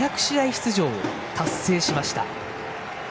出場を達成しました。